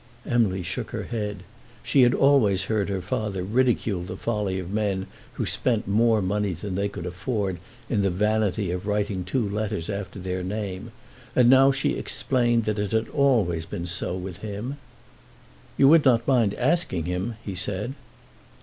Emily shook her head. She had always heard her father ridicule the folly of men who spent more than they could afford in the vanity of writing two letters after their name, and she now explained that it had always been so with him. "You would not mind asking him," he said.